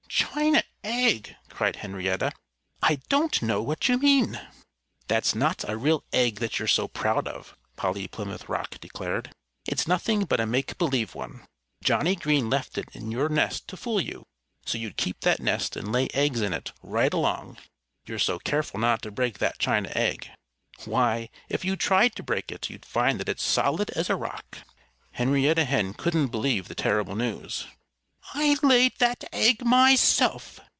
"China egg!" cried Henrietta. "I don't know what you mean." "That's not a real egg that you're so proud of," Polly Plymouth Rock declared. "It's nothing but a make believe one. Johnnie Green left it in your nest to fool you, so you'd keep that nest and lay eggs in it, right along.... You're so careful not to break that china egg! Why, if you tried to break it you'd find that it's solid as a rock." Henrietta Hen couldn't believe the terrible news. "I laid that egg myself!"